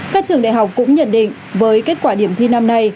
các trường đại học cũng nhận định với kết quả điểm thi năm nay